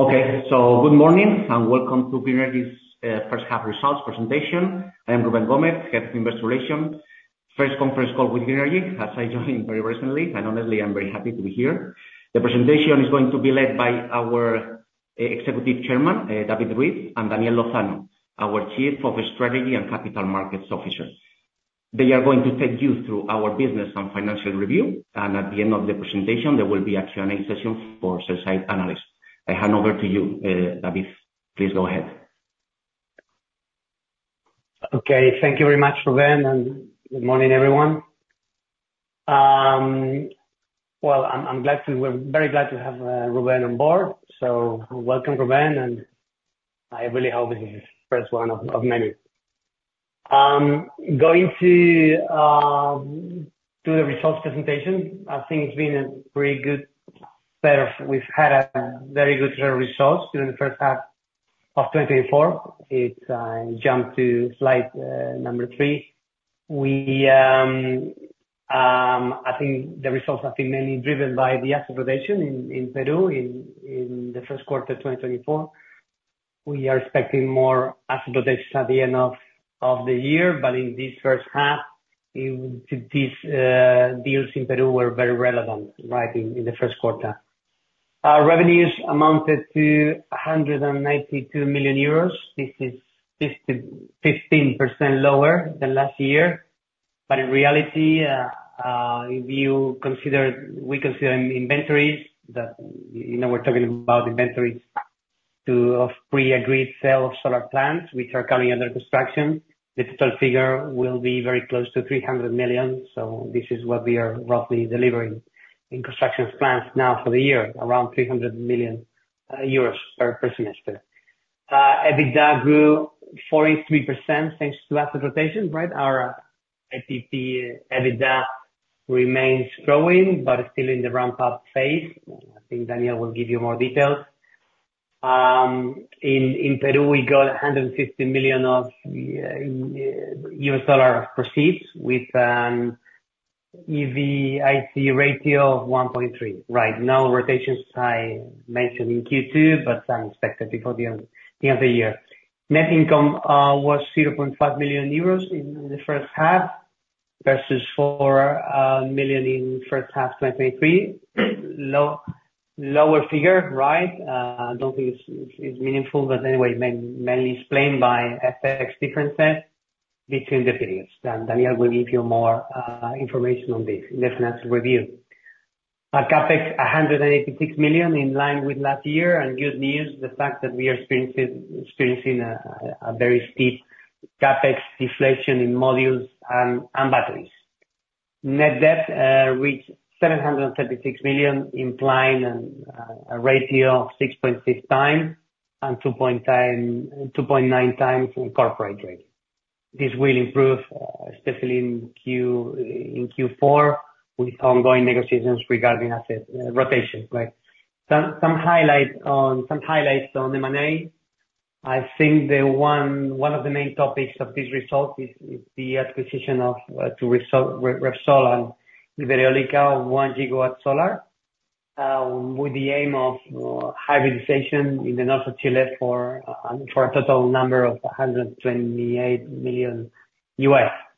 Okay, so good morning, and welcome to Grenergy's first half results presentation. I am Rubén Gómez, Head of Investor Relations. First conference call with Grenergy, as I joined very recently, and honestly, I'm very happy to be here. The presentation is going to be led by our Executive Chairman, David Ruiz de Andrés, and Daniel Lozano, our Chief Strategy and Capital Markets Officer. They are going to take you through our business and financial review, and at the end of the presentation, there will be a Q&A session for sell-side analysts. I hand over to you, David, please go ahead. Okay. Thank you very much, Rubén, and good morning, everyone. Well, I'm glad to, we're very glad to have Rubén on board, so welcome, Rubén, and I really hope this is the first one of many. Going to the results presentation, I think it's been a pretty good pair of, we've had a very good pair of results during the first half of 2024. It jump to slide number three. We, I think the results have been mainly driven by the asset rotation in Peru in the Q1, 2024. We are expecting more asset rotations at the end of the year, but in this first half, in these deals in Peru were very relevant, right, in the Q1. Our revenues amounted to 192 million euros. This is 55% lower than last year, but in reality, if you consider, we consider inventories, you know, we're talking about inventories of pre-agreed sale of solar plants, which are coming under construction. The total figure will be very close to 300 million, so this is what we are roughly delivering in construction plans now for the year, around 300 million euros per semester. EBITDA grew 43%, thanks to asset rotation, right? Our IPP EBITDA remains growing, but still in the ramp-up phase. I think Daniel will give you more details. In Peru, we got $150 million of U.S. dollar proceeds with EV/EBITDA ratio of 1.3. Right now, rotations I mentioned in Q2, but are expected before the end of the year. Net income was 0.5 million euros in the first half, versus 4 million in first half 2023. Lower figure, right? I don't think it's meaningful, but anyway, mainly explained by FX differences between the periods, and Daniel will give you more information on the net finance review. Our CapEx, 186 million, in line with last year, and good news, the fact that we are experiencing a very steep CapEx deflation in modules and batteries. Net debt reached 736 million, implying a ratio of 6.6x and 2.9x in corporate leverage. This will improve, especially in Q4, with ongoing negotiations regarding asset rotation, right? Some highlights on M&A. I think one of the main topics of this result is the acquisition from Repsol and Iberdrola, one gigawatt solar with the aim of hybridization in the north of Chile for a total number of $128 million.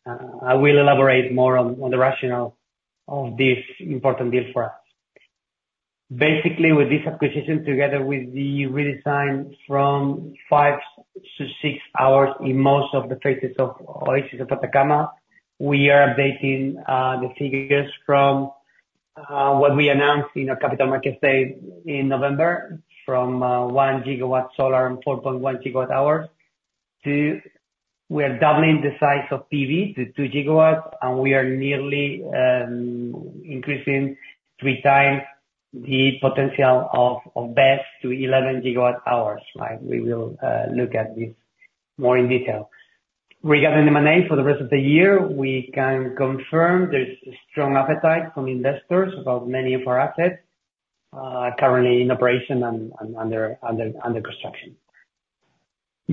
I will elaborate more on the rationale of this important deal for us. Basically, with this acquisition, together with the redesign from five to six hours in most of the phases of Oasis de Atacama, we are updating the figures from what we announced in our Capital Market Day in November, from one gigawatt solar and 4.1 GWh, to we are doubling the size of PV to two GW, and we are nearly increasing three times the potential of batteries to 11 GWh, right? We will look at this more in detail. Regarding M&A for the rest of the year, we can confirm there's a strong appetite from investors about many of our assets currently in operation and under construction.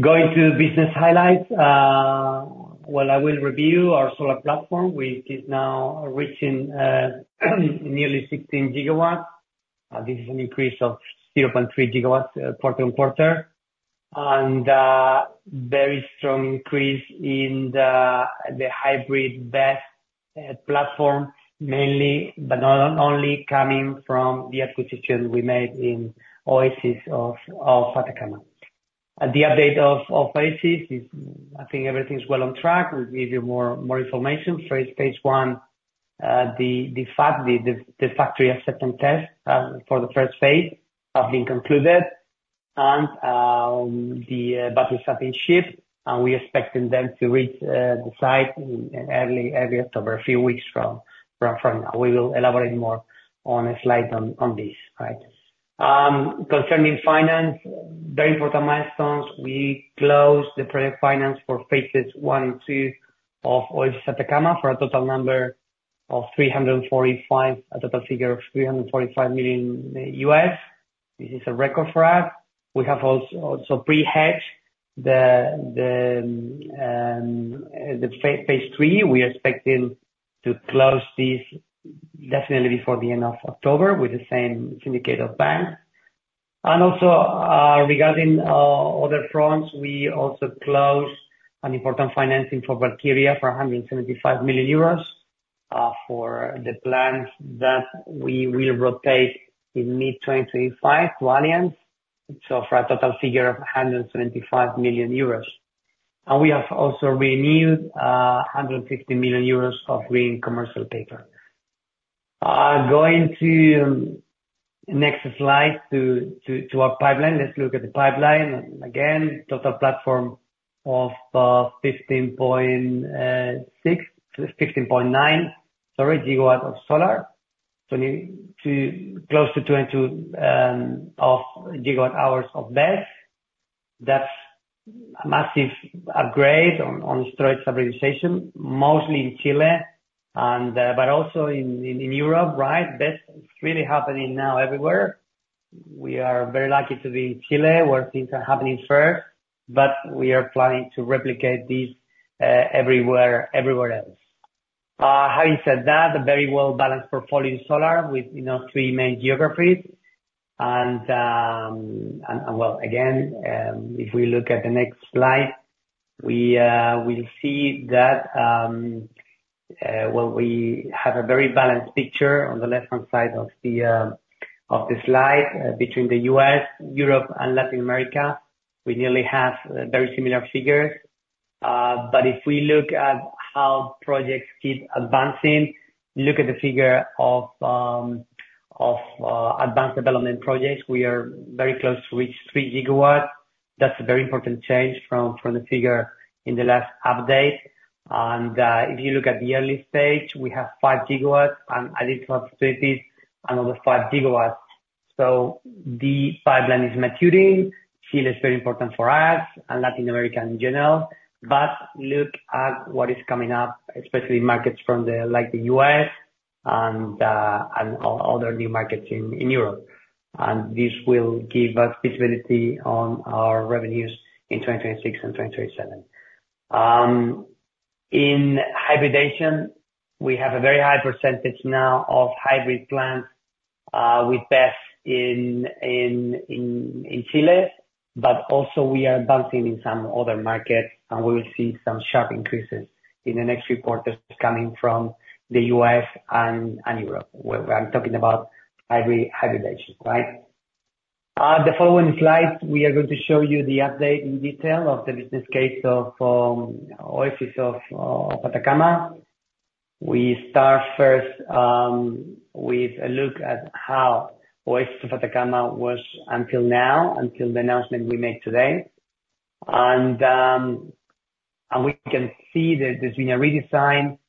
Going to business highlights, well, I will review our solar platform, which is now reaching nearly 16 GW. This is an increase of 0.3 GW quarter-on-quarter, and very strong increase in the hybrid batteries platform, mainly, but not only, coming from the acquisition we made in Oasis of Atacama. The update of Oasis is, I think everything's well on track. We'll give you more information. Phase 1, the factory acceptance test for the first phase have been concluded, and the batteries have been shipped, and we're expecting them to reach the site in early October, a few weeks from now. We will elaborate more on a slide on this, right. Concerning finance, very important milestones, we closed the project finance for phases one and two of Oasis de Atacama, for a total figure of $345 million. This is a record for us. We have also pre-hedged the Phase 3, we are expecting to close this definitely before the end of October with the same syndicate of banks. Also, regarding other fronts, we also closed an important financing for Valkyria, 175 million euros, for the plants that we will rotate in mid-2025 to Allianz. So for a total figure of 175 million euros. And we have also renewed 150 million euros of green commercial paper. Going to next slide, to our pipeline. Let's look at the pipeline. Again, total platform of 15.6 GW-15.9 GW of solar. Close to 22 GWh of BESS. That's a massive upgrade on storage hybridization, mostly in Chile and but also in Europe, right? BESS is really happening now everywhere. We are very lucky to be in Chile, where things are happening first, but we are planning to replicate this, everywhere, everywhere else. Having said that, a very well-balanced portfolio in solar with, you know, three main geographies. Well, again, if we look at the next slide, we will see that, well, we have a very balanced picture on the left-hand side of the slide between the U.S., Europe, and Latin America. We nearly have very similar figures. But if we look at how projects keep advancing, look at the figure of advanced development projects, we are very close to reach three GW. That's a very important change from the figure in the last update. If you look at the early stage, we have five GW and additional strategies, another five GW. The pipeline is maturing. Chile is very important for us and Latin America in general. Look at what is coming up, especially markets from the, like the U.S. and other new markets in Europe, and this will give us visibility on our revenues in 2026 and 2027. In hybridization, we have a very high percentage now of hybrid plants with BESS in Chile, but also we are advancing in some other markets, and we will see some sharp increases in the next few quarters coming from the U.S. and Europe, where I'm talking about hybridization, right? The following slide, we are going to show you the update in detail of the business case of Oasis of Atacama. We start first with a look at how Oasis of Atacama was until now, until the announcement we made today. We can see that there's been a redesign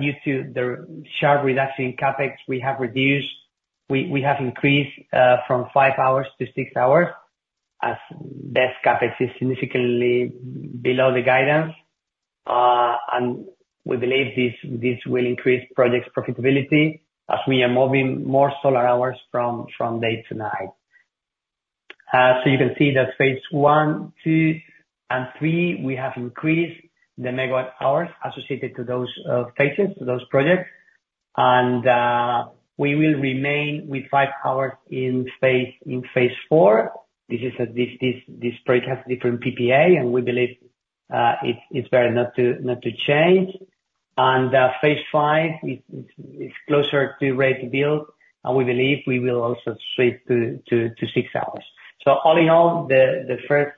due to the sharp reduction in CapEx. We have increased from five hours to six hours, as BESS CapEx is significantly below the guidance. We believe this will increase project's profitability, as we are moving more solar hours from day to night. So you can see that Phase 1, 2, and 3, we have increased the megawatt hours associated to those phases to those projects. We will remain with five hours in Phase 4. This project has different PPA, and we believe it's better not to change. Phase 5 is closer to ready to build, and we believe we will also switch to six hours. So all in all, the first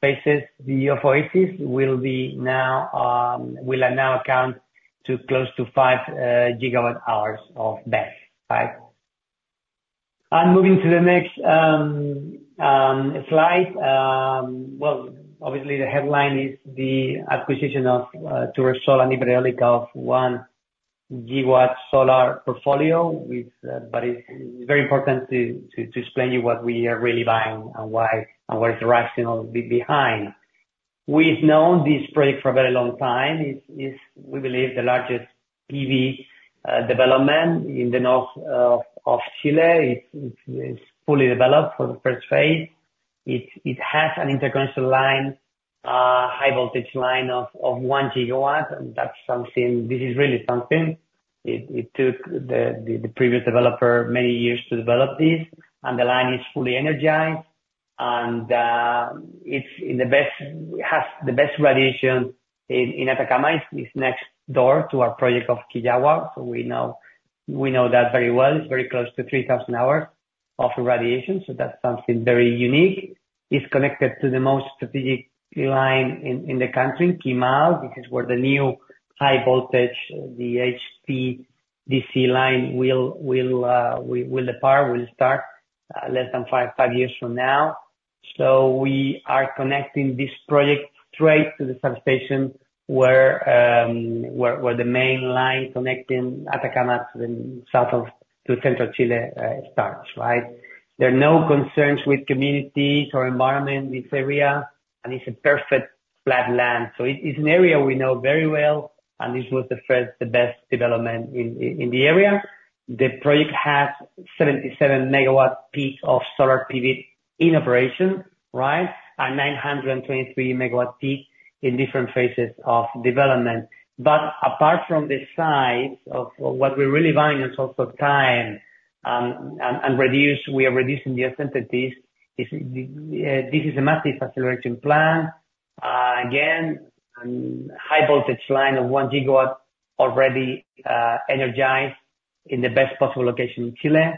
phases, the Oasis, will now amount to close to five GWh of BESS, right? Moving to the next slide, well, obviously, the headline is the acquisition from Iberdrola of one GW solar portfolio, but it's very important to explain to you what we are really buying and why, and what is the rationale behind. We've known this project for a very long time. It's we believe the largest PV development in the north of Chile. It's fully developed for the first phase. It has an interconnection line, high voltage line of one GW, and that's something. This is really something. It took the previous developer many years to develop this, and the line is fully energized. It's in the best. It has the best radiation in Atacama. It's next door to our project of Quillagua. So we know that very well. It's very close to 3,000 hours of radiation, so that's something very unique. It's connected to the most strategic line in the country, Kimal, which is where the new high voltage, the HVDC line, will depart, will start less than five years from now. So we are connecting this project straight to the substation where the main line connecting Atacama to central Chile starts, right? There are no concerns with communities or environment in this area, and it's a perfect flat land, so it is an area we know very well, and this was the first, the best development in the area. The project has 77 MW peak of solar PV in operation, right? And 923 MW peak in different phases of development. But apart from the size of what we're really buying is also time, and we are reducing the uncertainties. This is a massive acceleration plan. Again, high voltage line of one gigawatt already energized in the best possible location in Chile,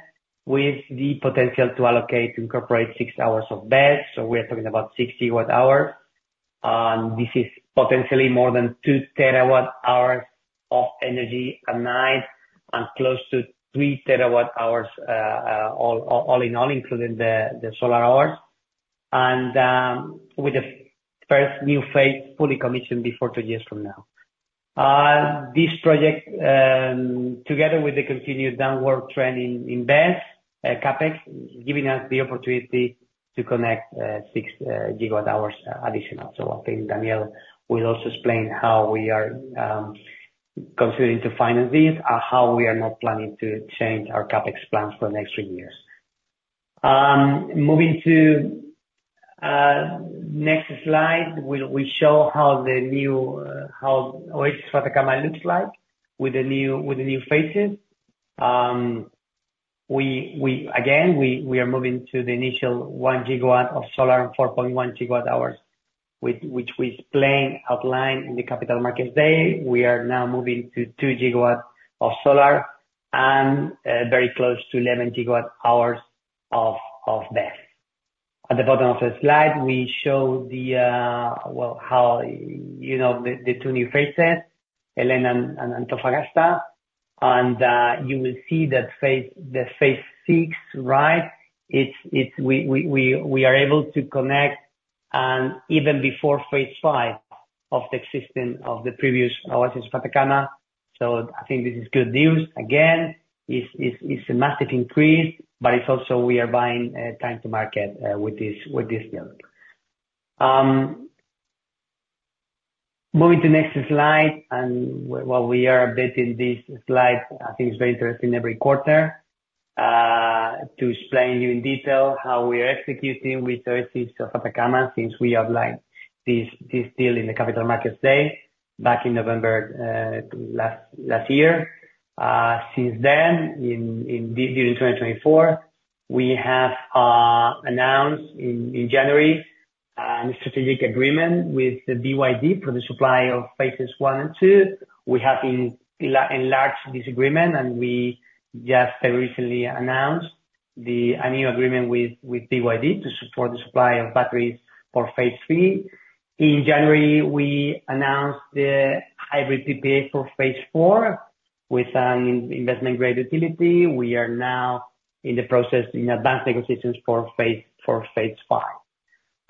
with the potential to allocate, to incorporate six hours of BESS, so we are talking about 60 GWh. This is potentially more than two TWh of energy a night, and close to three TWh, all in all, including the solar hours, and with the first new phase fully commissioned before two years from now. This project, together with the continued downward trend in BESS CapEx, giving us the opportunity to connect six GWh additional. So I think Daniel will also explain how we are considering to finance this, and how we are not planning to change our CapEx plans for the next three years. Moving to next slide, we'll show how the new Oasis de Atacama looks like with the new phases. We again are moving to the initial one gigawatt of solar and 4.1 Gwh, which we explained outlined in the capital markets day. We are now moving to two GW of solar and very close to 11 GWh of BESS. At the bottom of the slide, we show well how you know the two new phases, Quillagua and Antofagasta, and you will see that Phase 6, right? We are able to connect and even before Phase 5 of the existing previous Oasis de Atacama. So I think this is good news. Again, it's a massive increase, but it's also we are buying time to market with this build. Well, we are updating this slide. I think it's very interesting every quarter to explain to you in detail how we are executing with Oasis de Atacama, since we outlined this deal in the capital markets day back in November last year. Since then, during 2024, we have announced in January a strategic agreement with BYD for the supply of phases one and two. We have enlarged this agreement, and we just recently announced a new agreement with BYD to support the supply of batteries for Phase 3. In January, we announced the hybrid PPA for Phase 4 with an investment-grade utility. We are now in the process in advanced negotiations for Phase 5.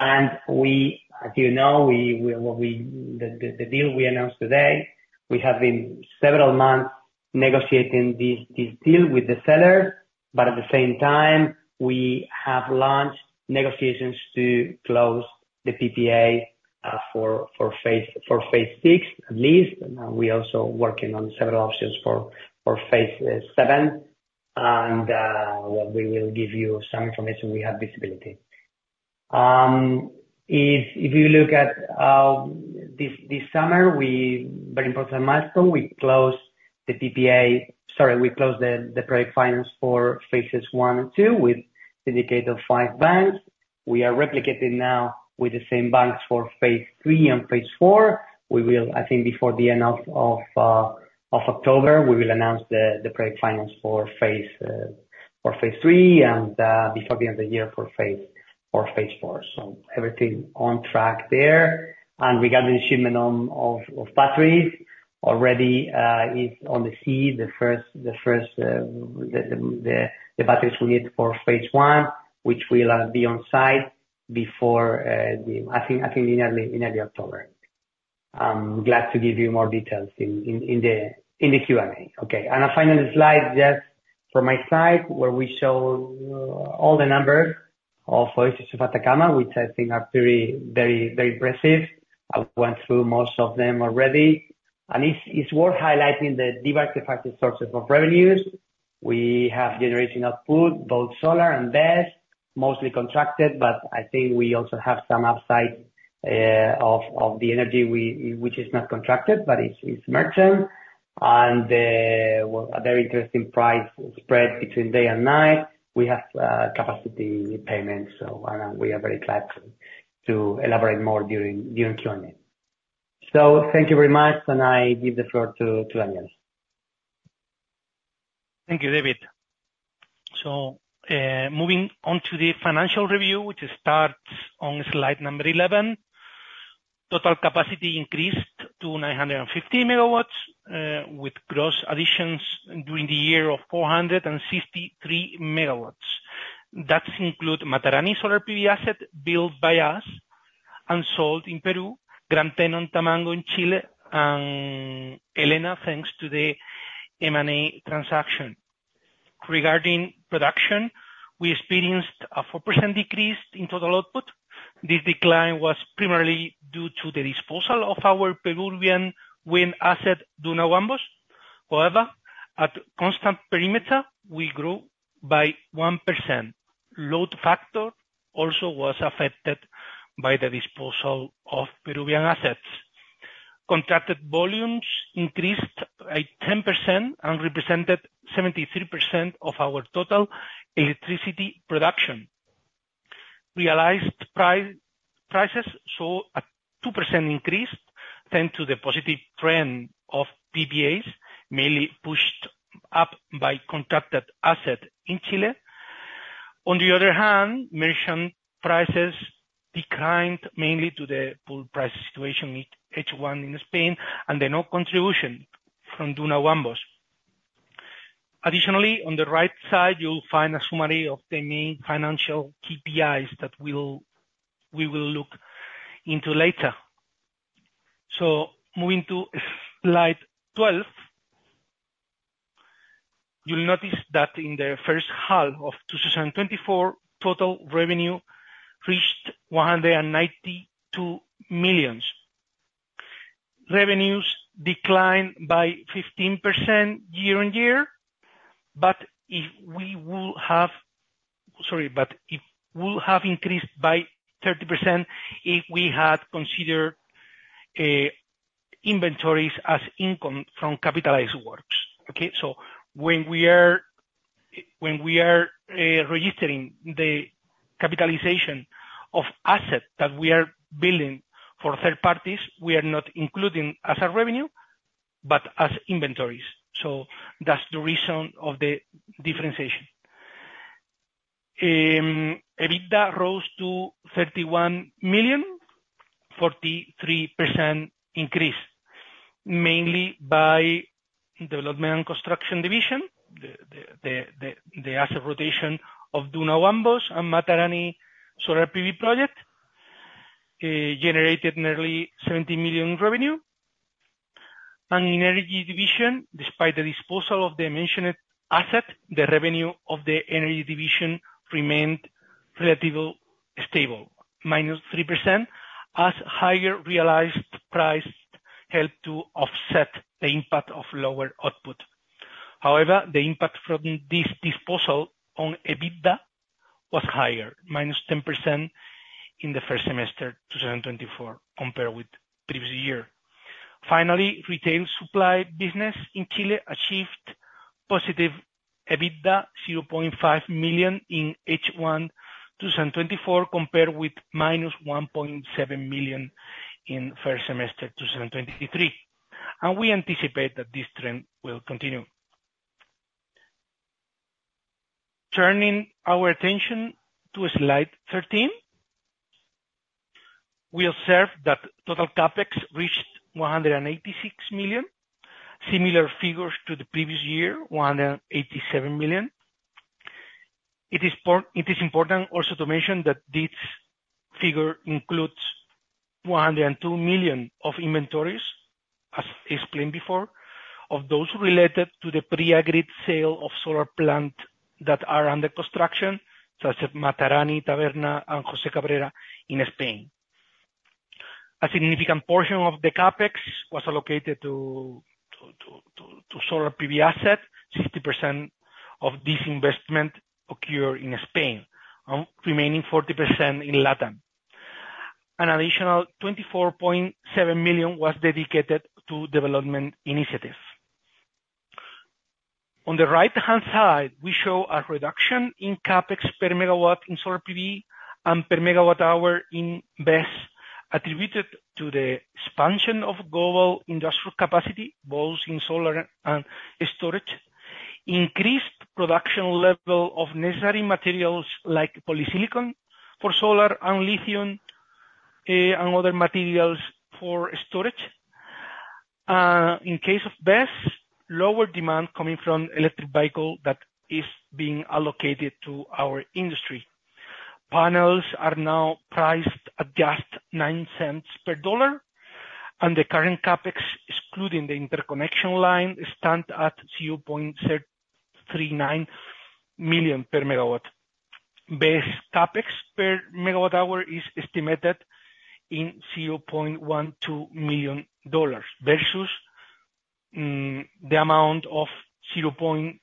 And as you know, the deal we announced today, we have been several months negotiating this deal with the sellers, but at the same time, we have launched negotiations to close the PPA for Phase 6, at least. And we're also working on several options for Phase 7, and well, we will give you some information. We have visibility. If you look at this summer, very important milestone, we closed the PPA. Sorry, we closed the project finance for phases one and two, with syndicate of five banks. We are replicating now with the same banks for Phase 3 and Phase 4. We will, I think before the end of October, we will announce the project finance for Phase 3, and before the end of the year for Phase 4. Everything on track there. Regarding the shipment of batteries, already is on the sea, the first batteries we need for Phase 1, which will be on site before the, I think in early October. I'm glad to give you more details in the Q&A. Okay, and a final slide, just from my side, where we show all the numbers of Oasis de Atacama, which I think are very impressive. I went through most of them already. It's worth highlighting the diversified sources of revenues. We have generation output, both solar and BESS, mostly contracted, but I think we also have some upside of the energy, which is not contracted, but it's merchant. And well, a very interesting price spread between day and night. We have capacity payments, so and we are very glad to elaborate more during Q&A. So thank you very much, and I give the floor to Daniel. Thank you, David. So, moving on to the financial review, which starts on slide number 11. Total capacity increased to 950 MW, with gross additions during the year of 463 MW. That include Matarani solar PV asset, built by us and sold in Peru, Gran Teno, Tamango in Chile, and Elena, thanks to the M&A transaction. Regarding production, we experienced a 4% decrease in total output. This decline was primarily due to the disposal of our Peruvian wind asset, Duna Huambos. However, at constant perimeter, we grew by 1%. Load factor also was affected by the disposal of Peruvian assets. Contracted volumes increased by 10% and represented 73% of our total electricity production. Realized prices saw a 2% increase, thanks to the positive trend of PPAs, mainly pushed up by contracted assets in Chile. On the other hand, merchant prices declined mainly to the pool price situation with H1 in Spain, and the no contribution from Duna Huambos. Additionally, on the right side, you'll find a summary of the main financial KPIs that we'll look into later. So moving to Slide 12, you'll notice that in the first half of 2024, total revenue reached 192 million. Revenues declined by 15% year-on-year, but if we would have, sorry, but it would have increased by 30% if we had considered inventories as income from capitalized works, okay? So when we are registering the capitalization of assets that we are building for third parties, we are not including as a revenue, but as inventories. So that's the reason of the differentiation. EBITDA rose to 31 million, 43% increase, mainly by development and construction division. The asset rotation of Duna Huambos and Matarani Solar PV project generated nearly 17 million in revenue. And in energy division, despite the disposal of the mentioned asset, the revenue of the energy division remained relatively stable, -3%, as higher realized price helped to offset the impact of lower output. However, the impact from this disposal on EBITDA was higher, -10% in the first semester 2024, compared with previous year. Finally, retail supply business in Chile achieved positive EBITDA, 0.5 million in H1 2024, compared with -1.7 million in first semester 2023, and we anticipate that this trend will continue. Turning our attention to Slide 13, we observe that total CapEx reached 186 million. Similar figures to the previous year, 187 million. It is important also to mention that this figure includes 102 million of inventories, as explained before, of those related to the pre-agreed sale of solar plant that are under construction, such as Matarani, Tabernas, and José Cabrera in Spain. A significant portion of the CapEx was allocated to solar PV assets. 60% of this investment occur in Spain, and remaining 40% in Latin. An additional 24.7 million was dedicated to development initiatives. On the right-hand side, we show a reduction in CapEx per megawatt in solar PV and per megawatt hour in BESS, attributed to the expansion of global industrial capacity, both in solar and storage. Increased production level of necessary materials like polysilicon for solar and lithium, and other materials for storage. In case of BESS, lower demand coming from electric vehicle that is being allocated to our industry. Panels are now priced at just $0.09 per watt, and the current CapEx, excluding the interconnection line, stand at $0.039 million per megawatt. BESS CapEx per megawatt hour is estimated in $0.12 million, versus the amount of $0.2 million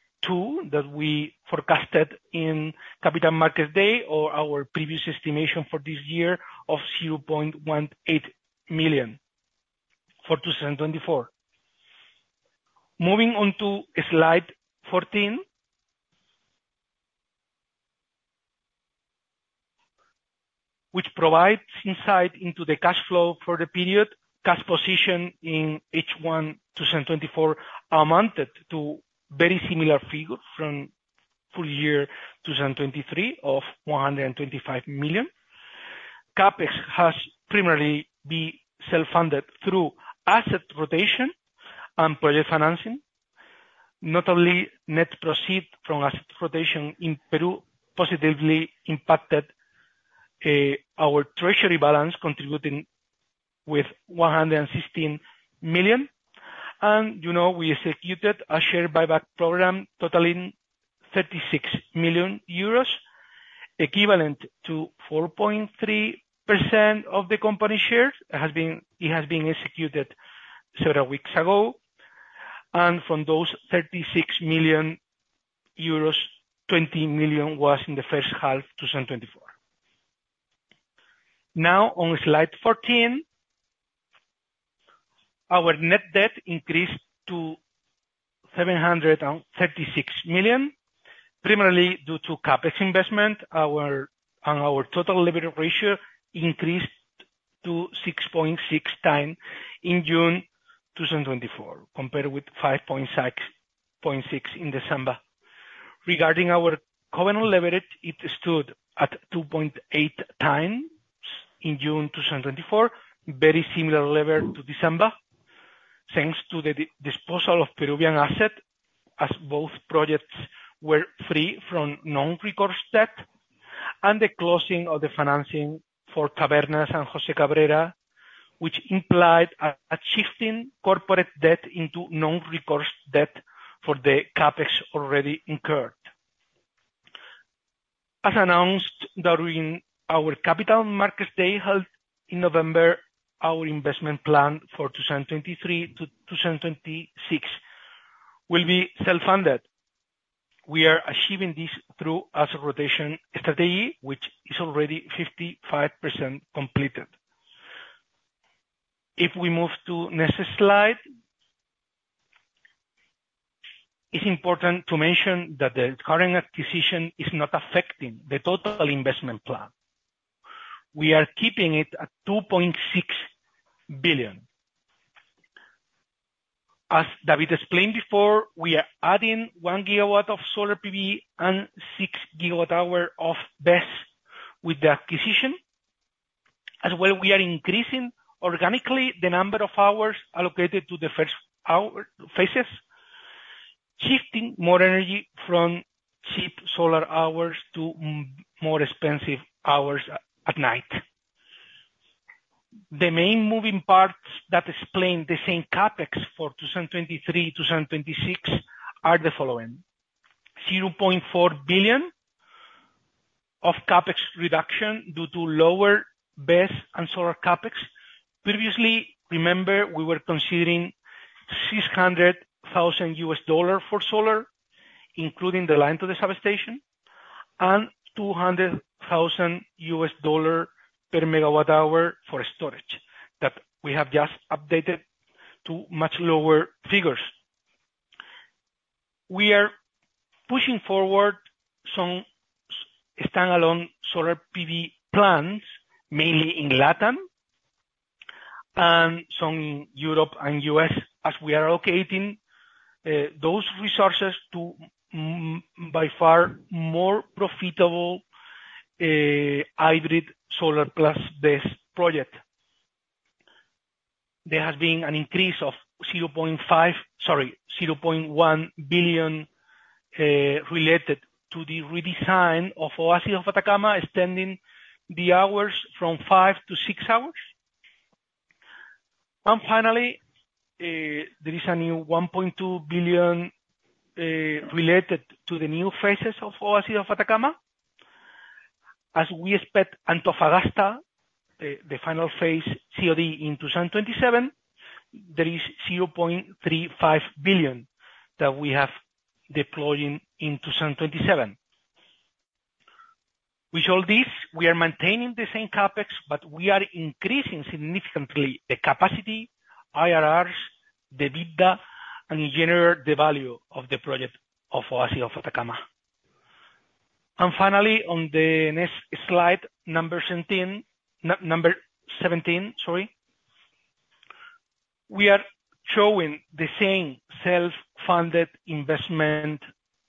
that we forecasted in Capital Markets Day, or our previous estimation for this year of $0.18 million for 2024. Moving on to Slide 14, which provides insight into the cash flow for the period. Cash position in H1 2024 amounted to very similar figures from full year 2023 of 125 million. CapEx has primarily been self-funded through asset rotation and project financing. Net proceeds from asset rotation in Peru positively impacted our treasury balance contributing with 116 million. And, you know, we executed a share buyback program totaling 36 million euros, equivalent to 4.3% of the company shares. It has been, it has been executed several weeks ago, and from those 36 million euros, 20 million was in the first half 2024. Now, on Slide 14, our net debt increased to 736 million, primarily due to CapEx investment. Our total leverage ratio increased to 6.6x in June 2024, compared with 5.6x in December. Regarding our covenant leverage, it stood at 2.8x in June 2024, very similar level to December, thanks to the disposal of Peruvian asset, as both projects were free from non-recourse debt, and the closing of the financing for Tabernas and José Cabrera, which implied achieving corporate debt into non-recourse debt for the CapEx already incurred. As announced during our Capital Markets Day, held in November, our investment plan for 2023-2026 will be self-funded. We are achieving this through asset rotation strategy, which is already 55% completed. If we move to next slide. It's important to mention that the current acquisition is not affecting the total investment plan. We are keeping it at 2.6 billion. As David explained before, we are adding one GW of solar PV and six GWh of BESS with the acquisition. As well, we are increasing organically the number of hours allocated to the first-hour phases, shifting more energy from cheap solar hours to more expensive hours at night. The main moving parts that explain the same CapEx for 2023-2026 are the following, 0.4 billion of CapEx reduction due to lower BESS and solar CapEx. Previously, remember, we were considering $600,000 for solar, including the line to the substation and $200,000 per megawatt hour for storage, that we have just updated to much lower figures. We are pushing forward some standalone solar PV plants, mainly in Latin America, and some in Europe and U.S., as we are allocating those resources to by far more profitable hybrid solar plus BESS projects. There has been an increase of 0.1 billion related to the redesign of Oasis de Atacama, extending the hours from five to six hours. Finally, there is a new 1.2 billion related to the new phases of Oasis de Atacama. As we expect Antofagasta, the final phase COD in 2027, there is 0.35 billion that we have deployed in 2027. With all this, we are maintaining the same CapEx, but we are increasing significantly the capacity, IRRs, the EBITDA, and in general, the value of the project of Oasis de Atacama. Finally, on the next slide, 17. We are showing the same self-funded investment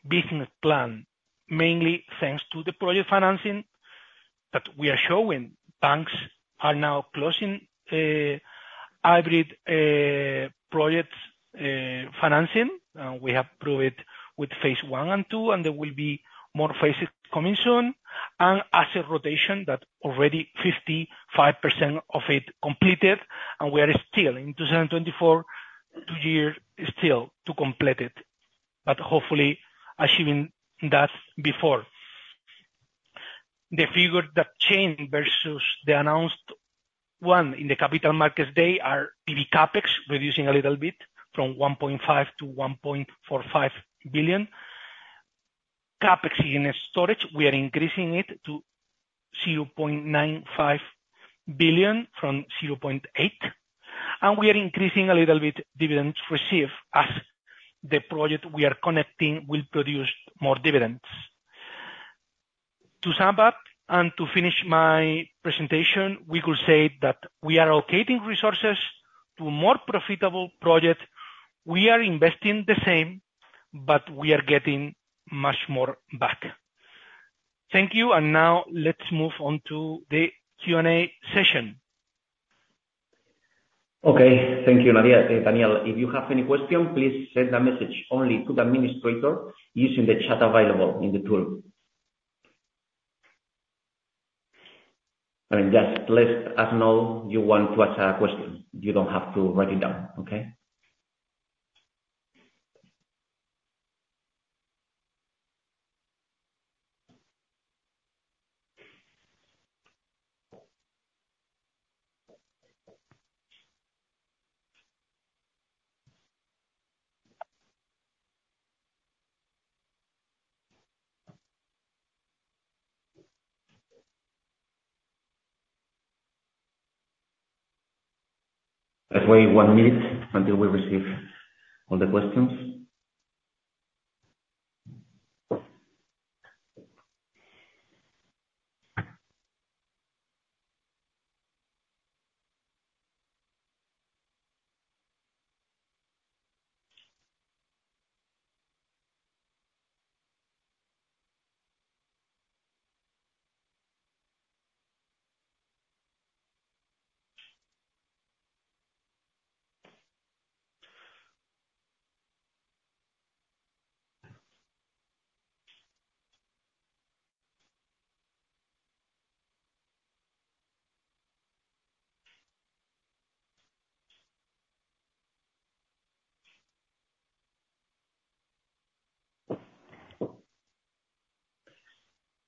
business plan, mainly thanks to the project financing that we are showing. Banks are now closing hybrid projects financing. We have proved it with Phase 1 and 2, and there will be more phases coming soon, and asset rotation, that already 55% of it completed, and we are still, in 2024, two years still to complete it, but hopefully achieving that before. The figure that changed versus the announced one in the Capital Markets Day are PV CapEx, reducing a little bit from 1.5 billion to 1.45 billion. CapEx in storage, we are increasing it to 0.95 billion from 0.8 billion, and we are increasing a little bit dividends received, as the project we are connecting will produce more dividends. To sum up, and to finish my presentation, we could say that we are allocating resources to more profitable projects. We are investing the same, but we are getting much more back. Thank you, and now let's move on to the Q&A session. Okay, thank you, Daniel. If you have any question, please send a message only to the administrator using the chat available in the tool, and just let us know you want to ask a question. You don't have to write it down. Okay? Let's wait one minute until we receive all the questions.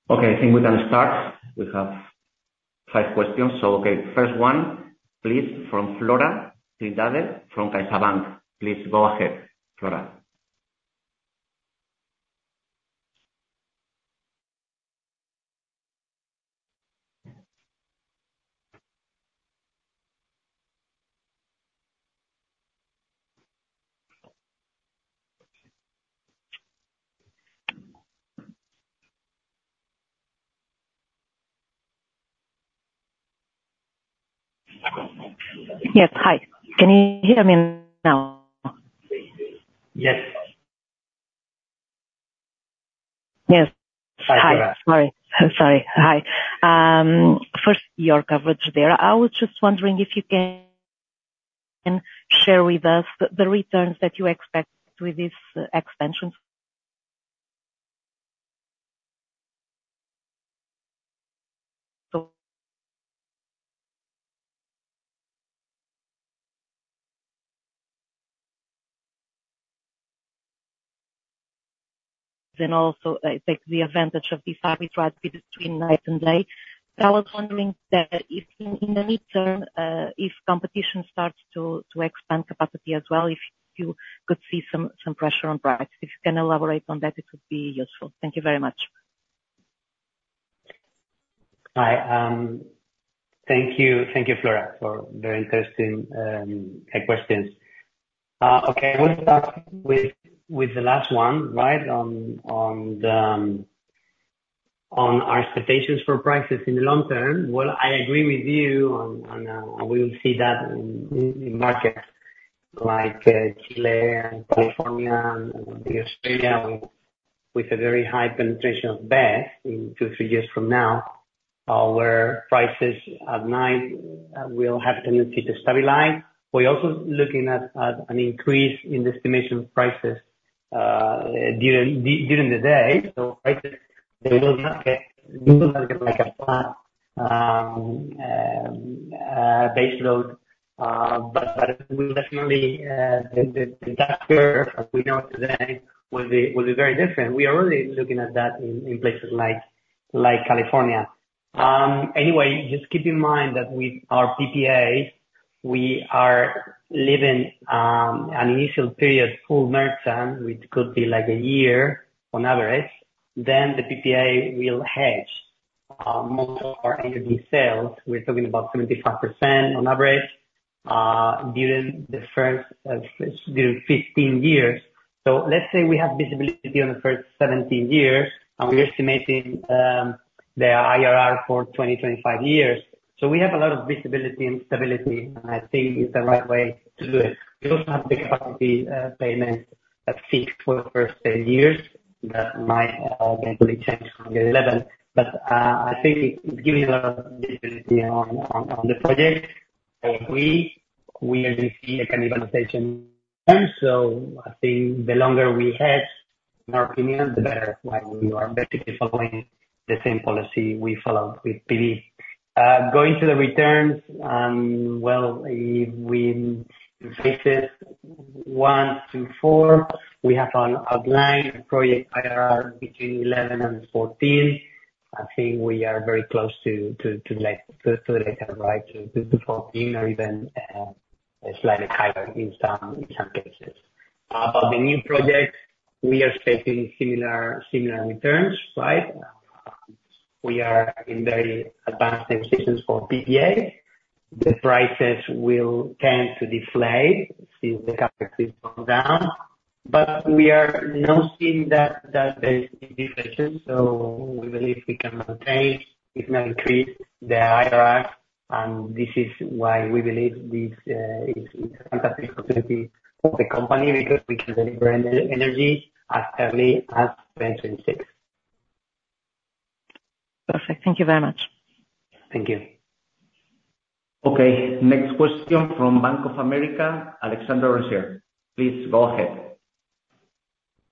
Okay, I think we can start. We have five questions, so okay, first one, please, from Flora Trindade from CaixaBank. Please go ahead, Flora. Yes, hi. Can you hear me now? Yes. Yes. Hi, Flora. Hi, sorry. Sorry. Hi. First, your coverage there, I was just wondering if you can share with us the returns that you expect with this expansion? Then also, take the advantage of this arbitrage between night and day. But I was wondering that if in the near term, if competition starts to expand capacity as well, if you could see some pressure on price. If you can elaborate on that, it would be useful. Thank you very much. Hi, thank you, thank you, Flora, for very interesting questions. Okay, we'll start with the last one, right? On our expectations for prices in the long term. Well, I agree with you on we will see that in markets like Chile and California and Australia, with a very high penetration of BESS in two, three years from now, where prices at night will have a tendency to stabilize. We're also looking at an increase in the estimation of prices during the day, so right, they will not get, they will not get, like, a flat base load. But we definitely, the load factor, as we know it today, will be very different. We are really looking at that in places like California. Anyway, just keep in mind that with our PPA, we are living an initial period, full merchant, which could be like a year on average, then the PPA will hedge most of our energy sales. We're talking about 75% on average during the first 15 years. So let's say we have visibility on the first 17 years, and we're estimating the IRR for 20 years, 25 years. So we have a lot of visibility and stability, and I think it's the right way to do it. We also have the capacity payment at six for the first years, that might potentially change on the 11th. But I think it's giving a lot of visibility on the project. I agree, we will see a cannibalization. I think the longer we hedge, in our opinion, the better, why we are basically following the same policy we followed with Peru. Going to the returns, we in phases one to four have an outlined project IRR between 11% and 14%. I think we are very close to 14% or even slightly higher in some cases. But the new project, we are expecting similar returns, right? We are in very advanced negotiations for PPA. The prices will tend to deflate since the capacity is gone down, but we are not seeing that basic deflation, so we believe we can maintain, if not increase, the IRR, and this is why we believe this is a fantastic opportunity for the company, because we can deliver energy as early as 2026. Perfect. Thank you very much. Thank you. Okay, next question from Bank of America, Alexandre Roncier. Please go ahead.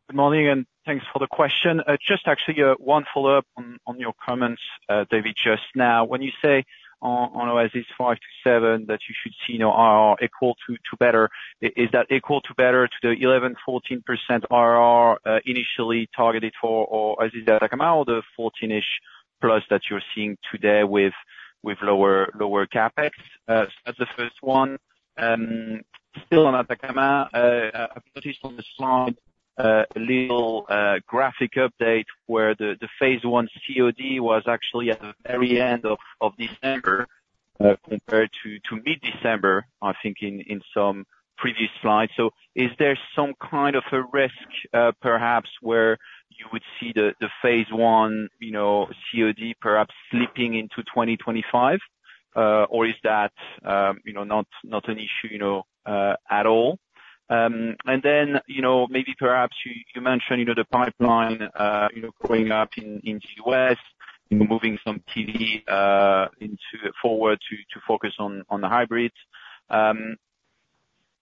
Good morning, and thanks for the question. Just actually, one follow-up on your comments, David, just now. When you say on Oasis five to seven, that you should see, you know, are equal to or better, is that equal to or better to the 11%-14% IRR initially targeted for, or is it the Atacama or the 14-ish%+ that you're seeing today with lower CapEx? That's the first one. Still on Atacama, I've noticed on the slide a little graphic update where the Phase 1 COD was actually at the very end of December, compared to mid-December, I think, in some previous slides. So is there some kind of a risk, perhaps, where you would see the Phase 1, you know, COD perhaps slipping into 2025? Or is that, you know, not, not an issue, you know, at all? And then, you know, maybe perhaps you, you mentioned, you know, the pipeline, you know, going up in, in the U.S., you know, moving some TD, into forward to, to focus on, on the hybrids.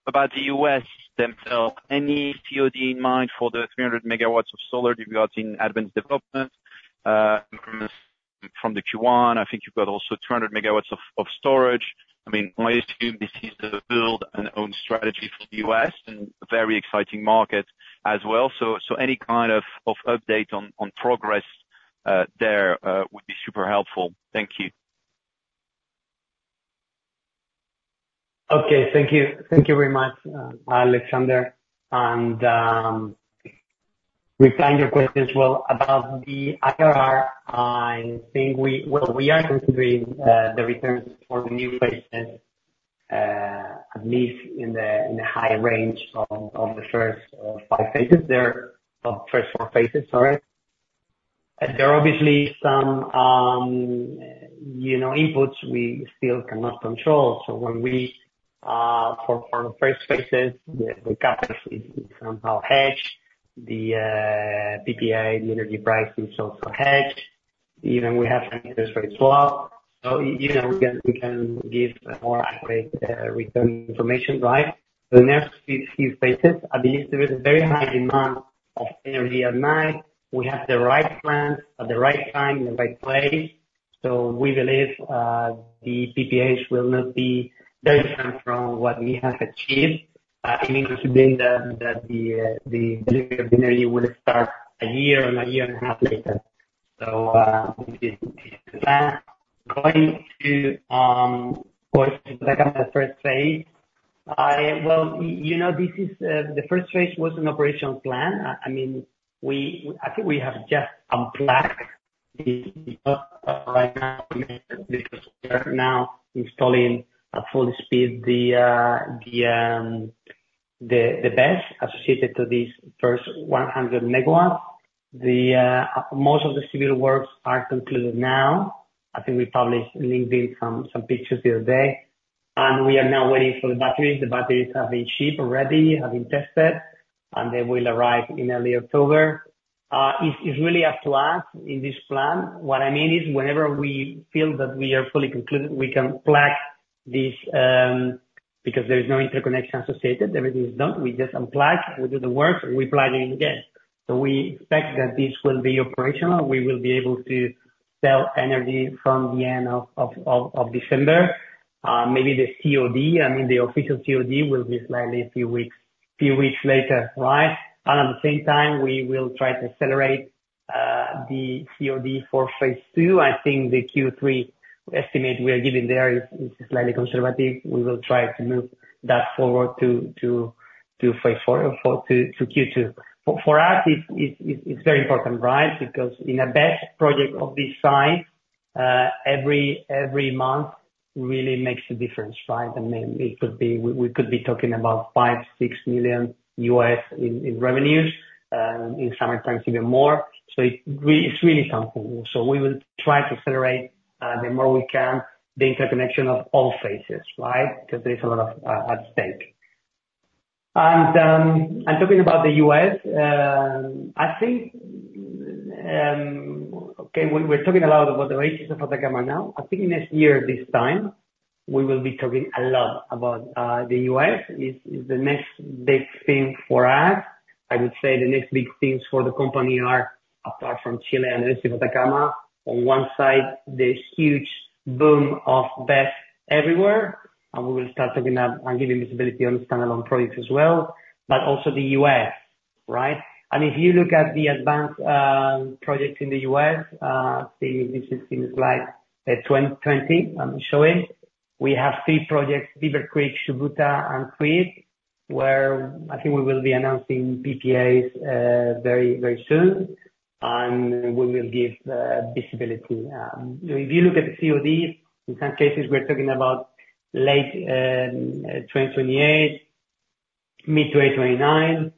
About the U.S. themselves, any COD in mind for the 300 MW of solar you've got in advanced development, from the Q1, I think you've got also 200 MW of, of storage. I mean, I assume this is the build and own strategy for the U.S., and a very exciting market as well. So, so any kind of, of update on, on progress, there, would be super helpful. Thank you. Okay, thank you. Thank you very much, Alexandre, and replying your question as well about the IRR, I think we, well, we are considering the returns for the new phases, at least in the high range of the first five phases there, well, first four phases, sorry. There are obviously some, you know, inputs we still cannot control. So when we for the first phases, the CapEx is somehow hedged. The PPA, the energy price is also hedged. Even we have interest rates as well. So, you know, we can give more accurate return information, right? The next few phases, at least there is a very high demand of energy at night. We have the right plan, at the right time, in the right place, so we believe, the PPAs will not be very different from what we have achieved. It means that the delivery of energy will start a year or a year and a half later. For the first phase, you know, this is, the first phase was an operational plan. I mean, I think we have just plugged it right now, because we are now installing at full speed, the BESS associated to these first 100 MW. Most of the civil works are concluded now. I think we published on LinkedIn some pictures the other day, and we are now waiting for the batteries. The batteries have been shipped already, have been tested, and they will arrive in early October. It's really up to us in this plan. What I mean is, whenever we feel that we are fully concluded, we can plug this, because there is no interconnection associated, everything is done. We just unplug, we do the work, and we plug it in again. So we expect that this will be operational. We will be able to sell energy from the end of December. Maybe the COD, I mean, the official COD will be slightly a few weeks later, right? And at the same time, we will try to accelerate the COD for Phase 2. I think the Q3 estimate we are giving there is slightly conservative. We will try to move that forward to Phase 4, to Q2. For us, it's very important, right? Because in a big project of this size, every month really makes a difference, right? I mean, it could be, we could be talking about $5 million-$6 million in revenues in summertime, even more. So it's really something. So we will try to accelerate the more we can, the interconnection of all phases, right? Because there's a lot at stake. And talking about the U.S., I think, okay, we're talking a lot about the Oasis of Atacama now. I think next year, this time, we will be talking a lot about the U.S., is the next big thing for us. I would say the next big things for the company are, apart from Chile and the rest of Atacama, on one side, this huge boom of BESS everywhere, and we will start talking about and giving visibility on standalone projects as well, but also the U.S., right? And if you look at the advanced projects in the U.S., I think this is in Slide 20, I'm showing. We have three projects, Beaver Creek, Shubuta, and Creed, where I think we will be announcing PPAs very, very soon, and we will give visibility. If you look at the COD, in some cases, we're talking about late 2028, mid-2029.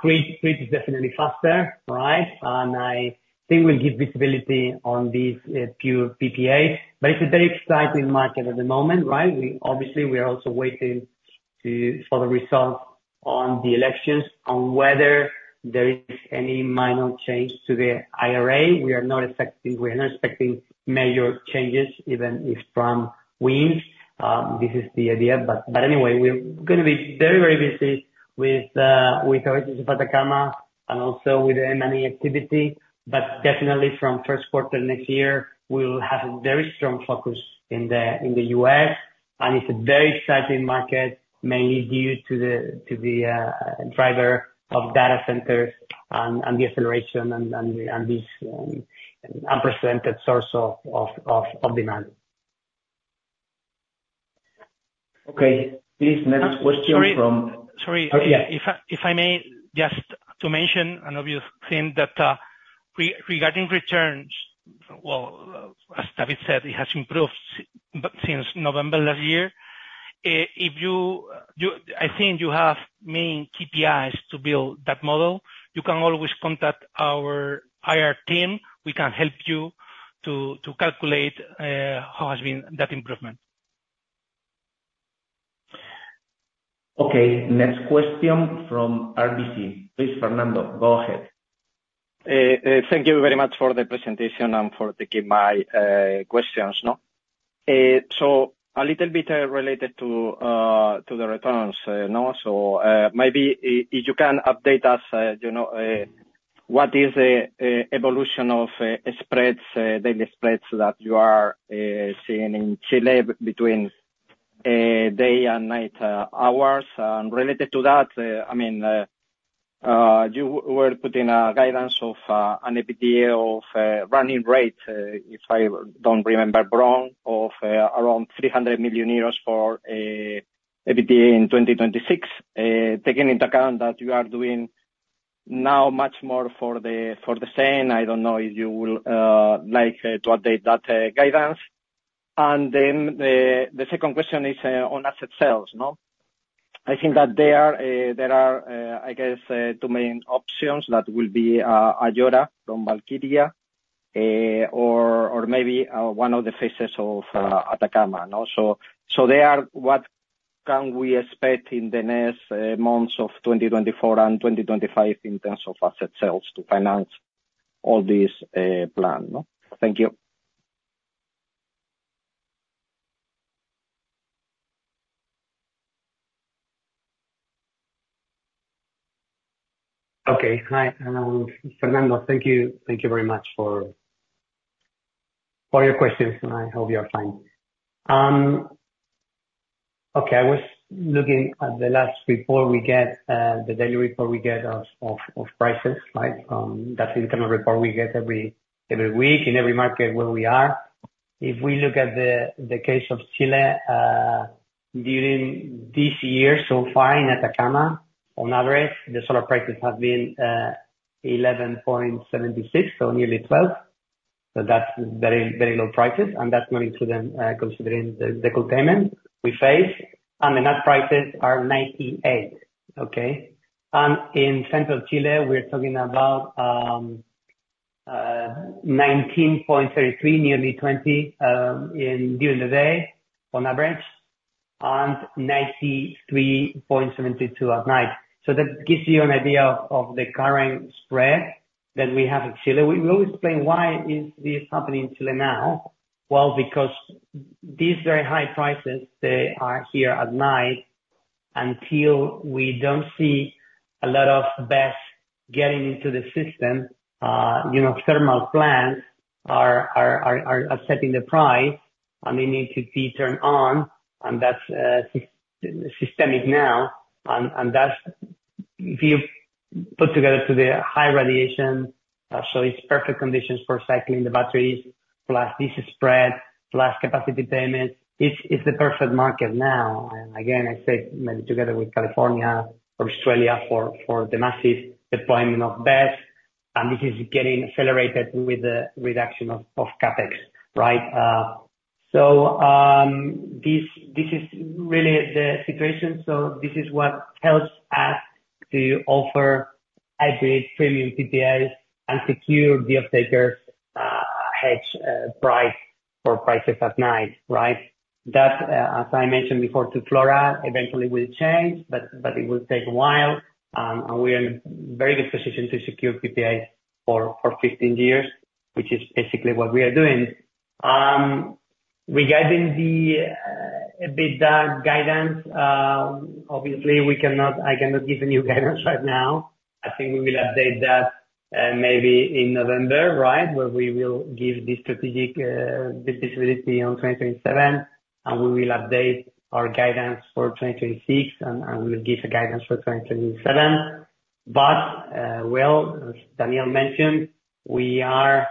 Creed is definitely faster, right? And I think we'll give visibility on these few PPAs, but it's a very exciting market at the moment, right? Obviously, we are also waiting for the results on the elections, on whether there is any minor change to the IRA. We are not expecting major changes, even if Trump wins. This is the idea, but anyway, we're gonna be very busy with Oasis de Atacama, and also with the M&A activity. But definitely from Q1 next year, we will have a very strong focus in the U.S., and it's a very exciting market, mainly due to the driver of data centers and the acceleration and this unprecedented source of demand. Okay, please, next question from- Sorry. Sorry. If I may, just to mention, I know you've seen that, regarding returns, well, as David said, it has improved since November last year. If you, I think you have main KPIs to build that model. You can always contact our IR team, we can help you to calculate how has been that improvement. Okay, next question from RBC. Please, Fernando, go ahead. Thank you very much for the presentation and for taking my questions, no? So a little bit related to the returns, no? So maybe if you can update us, you know, what is the evolution of spreads, daily spreads that you are seeing in Chile between day and night hours? And related to that, I mean, you were putting a guidance of an EBITDA of running rate, if I don't remember wrong, of around 300 million euros for EBITDA in 2026. Taking into account that you are doing now much more for the, for the same, I don't know if you will like to update that guidance. And then the second question is on asset sales, no? I think that there are I guess two main options that will be Ayora from Valkyria or maybe one of the phases of Atacama, no? What can we expect in the next months of 2024 and 2025 in terms of asset sales to finance all this plan, no? Thank you. Okay. Hi, Fernando, thank you, thank you very much for all your questions, and I hope you are fine. Okay, I was looking at the last report we get, the daily report we get of prices, right? That's the internal report we get every week, in every market where we are. If we look at the case of Chile, during this year, so far in Atacama, on average, the solar prices have been $11.76, so nearly $12. So that's very, very low prices, and that's not including, considering the capacity payment we face. And the net prices are $98, okay? And in central Chile, we're talking about $19.33, nearly $20, during the day on average, and $93.72 at night. So that gives you an idea of the current spread that we have in Chile. We will explain why is this happening in Chile now. Well, because these very high prices, they are here at night, until we don't see a lot of BESS getting into the system. You know, thermal plants are setting the price, and they need to be turned on, and that's systemic now. And that's if you put together with the high radiation, so it's perfect conditions for cycling the batteries, plus this spread, plus capacity payment. It's the perfect market now. And again, I say maybe together with California or Australia for the massive deployment of BESS, and this is getting accelerated with the reduction of CapEx, right? This is really the situation. This is what helps us to offer hybrid premium PPAs and secure the off-takers, hedge price for prices at night, right? That, as I mentioned before to Flora, eventually will change, but it will take a while. And we are in a very good position to secure PPAs for 15 years, which is basically what we are doing. Regarding the EBITDA guidance, obviously I cannot give a new guidance right now. I think we will update that, maybe in November, right? Where we will give the strategic visibility on 2027, and we will update our guidance for 2026, and we'll give the guidance for 2027. Well, as Daniel mentioned, we are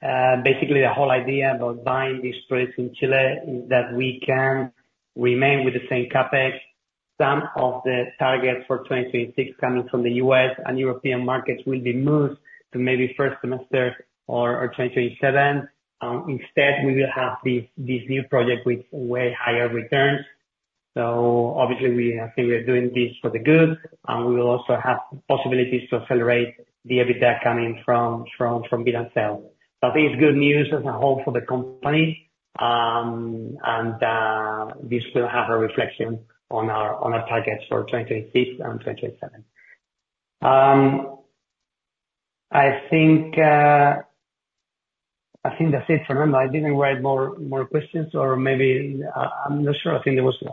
basically the whole idea about buying these spreads in Chile is that we can remain with the same CapEx. Some of the targets for 2026 coming from the U.S. and European markets will be moved to maybe first semester or 2027. Instead, we will have these new project with way higher returns. So obviously, we, I think we are doing this for the good, and we will also have possibilities to accelerate the EBITDA coming from build and sell. So I think it's good news as a whole for the company, and this will have a reflection on our targets for 2026 and 2027. I think that's it, Fernando. I didn't write more questions or maybe, I, I'm not sure. I think there was a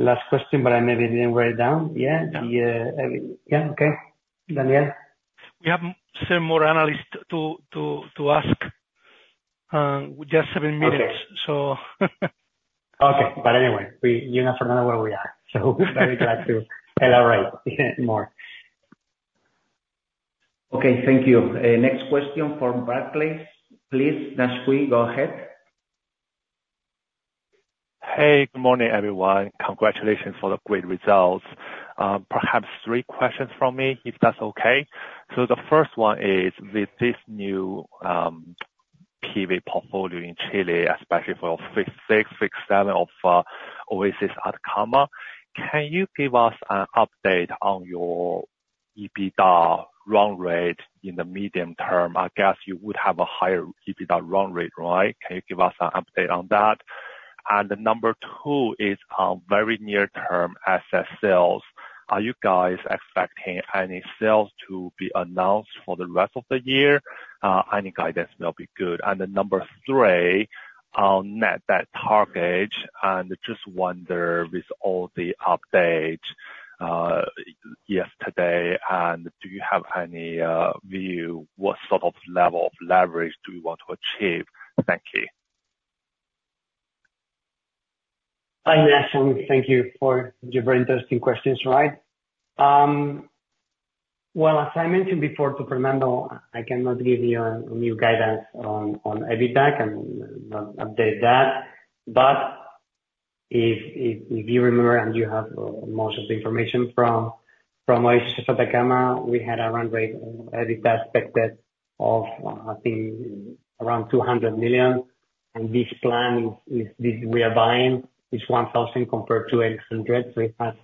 last question, but I maybe didn't write it down. Yeah, the... Yeah, okay. Daniel? We have some more analysts to ask, just seven minutes. So, Okay, but anyway, we, you know, Fernando, where we are, so very glad to elaborate more. Okay, thank you. Next question from Barclays, please. Nuno, go ahead. Hey, good morning, everyone. Congratulations for the great results. Perhaps three questions from me, if that's okay? So the first one is, with this new PV portfolio in Chile, especially for Phase 6, Phase 7 of Oasis Atacama, can you give us an update on your EBITDA run rate in the medium term? I guess you would have a higher EBITDA run rate, right? Can you give us an update on that? And number two is on very near-term asset sales. Are you guys expecting any sales to be announced for the rest of the year? Any guidance will be good. And then number three, on net debt target, and just wonder, with all the updates yesterday, and do you have any view, what sort of level of leverage do you want to achieve? Thank you. Hi, Nuno, and thank you for your very interesting questions, right. Well, as I mentioned before to Fernando, I cannot give you a new guidance on EBITDA, and not update that. But if you remember, and you have most of the information from Oasis de Atacama, we had a run rate EBITDA aspect of, I think, around 200 million, and this plan, this we are buying, is 1,000 compared to 800, so it has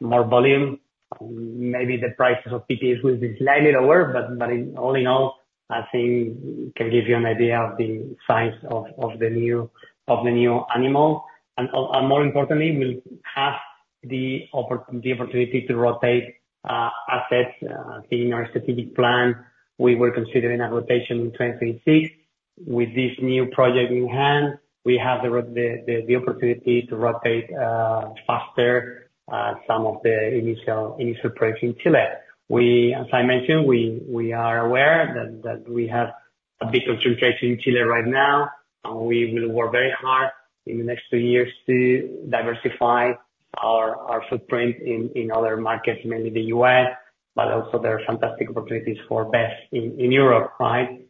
more volume. Maybe the prices of PPAs will be slightly lower, but all in all, I think can give you an idea of the size of the new animal. And more importantly, we have the opportunity to rotate assets. In our strategic plan, we were considering a rotation in 2026. With this new project in hand, we have the opportunity to rotate faster some of the initial projects in Chile. We, as I mentioned, are aware that we have a big concentration in Chile right now, and we will work very hard in the next two years to diversify our footprint in other markets, mainly the U.S., but also there are fantastic opportunities for BESS in Europe, right?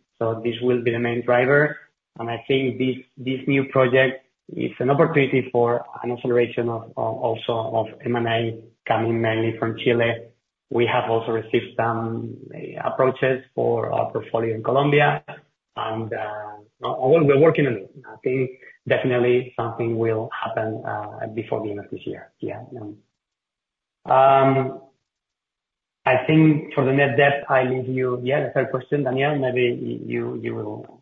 This will be the main driver, and I think this new project is an opportunity for an acceleration of also of M&A, coming mainly from Chile. We have also received some approaches for our portfolio in Colombia, and, well, we're working on it. I think definitely something will happen before the end of this year. Yeah, I think for the net debt, I leave you... Yeah, the third question, Daniel, maybe you will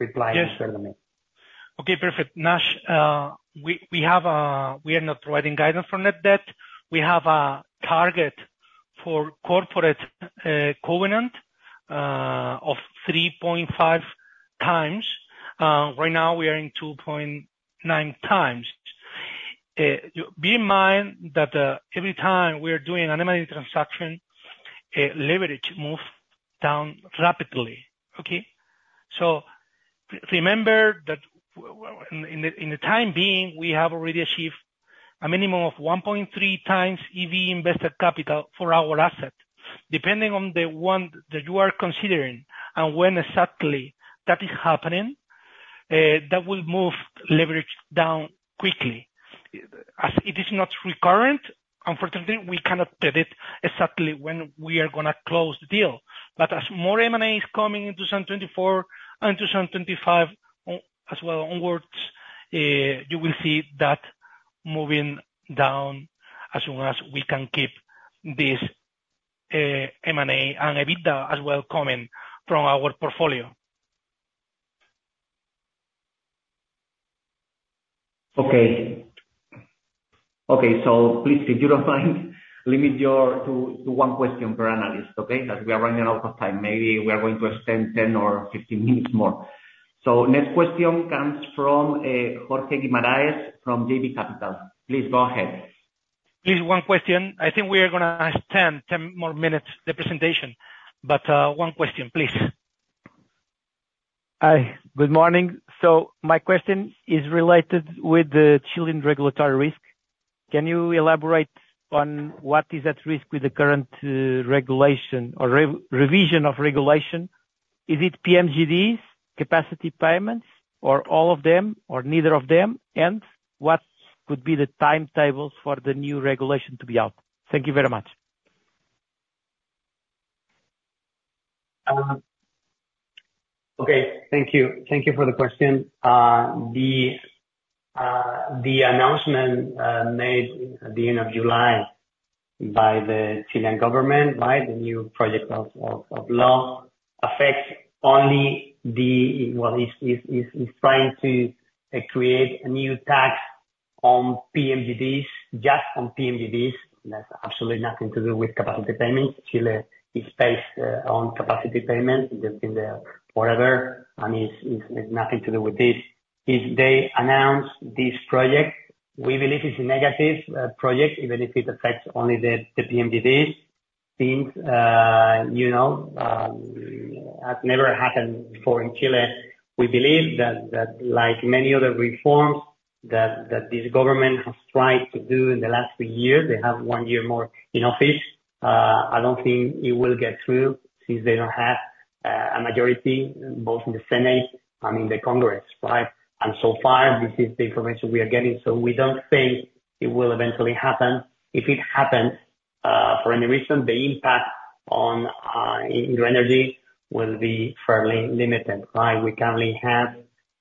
reply- Yes. Better than me. Okay, perfect. Nash, we have, we are not providing guidance for net debt. We have a target for corporate covenant of3.5x. Right now we are in 2.9x. You, bear in mind that every time we are doing an M&A transaction, leverage moves down rapidly. Okay? So remember that in the time being, we have already achieved a minimum of one point three times EV invested capital for our assets. Depending on the one that you are considering and when exactly that is happening, that will move leverage down quickly. As it is not recurrent, unfortunately, we cannot tell it exactly when we are gonna close the deal. But as more M&A is coming in two thousand twenty-four and two thousand twenty-five, as well onwards, you will see that moving down, as long as we can keep this M&A and EBITDA as well coming from our portfolio. Okay. Okay, so please, if you don't mind, limit your... to one question per analyst, okay? Because we are running out of time. Maybe we are going to extend 10 or 15 minutes more. So next question comes from Jorge Guimarães, from JB Capital. Please go ahead. Please, one question. I think we are gonna extend ten more minutes the presentation, but, one question, please. Hi, good morning. So my question is related with the Chilean regulatory risk. Can you elaborate on what is at risk with the current regulation or revision of regulation? Is it PMGDs, capacity payments, or all of them, or neither of them? And what could be the timetables for the new regulation to be out? Thank you very much. Okay, thank you. Thank you for the question. The announcement made at the end of July by the Chilean government by the new project of law affects only the PMGDs. It is trying to create a new tax on PMGDs, just on PMGDs. That's absolutely nothing to do with capacity payment. Chile is based on capacity payment. It has been there forever, and it's nothing to do with this. If they announce this project, we believe it's a negative project, even if it affects only the PMGDs. Things you know have never happened before in Chile. We believe that like many other reforms that this government has tried to do in the last few years, they have one year more in office. I don't think it will get through, since they don't have a majority, both in the Senate and in the Congress, right? And so far, this is the information we are getting, so we don't think it will eventually happen. If it happens, for any reason, the impact in energy will be fairly limited, right? We currently have